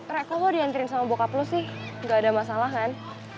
rek kok lo diantirin sama bokap lo sih gak ada masalah kan